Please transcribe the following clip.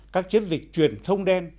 các chiến dịch truyền thông đen